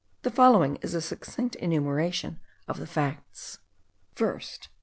The following is a succinct enumeration of the facts: First.